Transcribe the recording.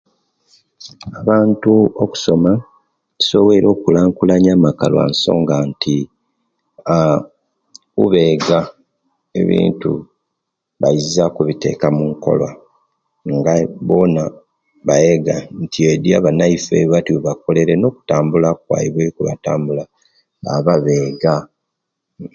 Abantu okusoma kusobweire okukulankulanya amaka olwensonga nti aah obuubega ebintu baiza kubiteka munkola nga bona bayega nti edi abanaife bati webakorere no'kutambula kwaiwe kwebatambwiire babba bega